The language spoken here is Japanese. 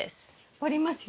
折りますよ。